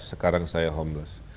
sekarang saya homeless